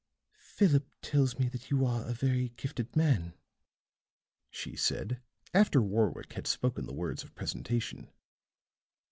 "Philip tells me that you are a very gifted man," she said, after Warwick had spoken the words of presentation.